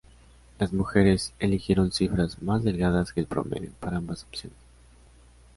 Las mujeres eligieron cifras más delgadas que el promedio para ambas opciones.